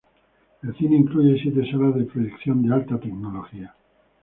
El cine incluye siete salas de proyección de alta tecnología.